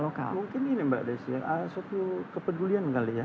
mungkin ini mbak desi suatu kepedulian kali ya